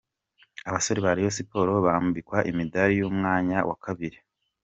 Abasore ba Rayon Sports bambikwa imidari y’umwanya wa kabiri.